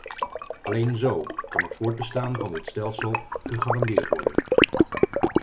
Alleen zo kan het voortbestaan van dit stelsel gegarandeerd worden.